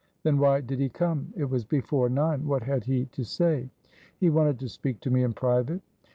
"Then why did he come? It was before nine. What had he to say?" "He wanted to speak to me in private."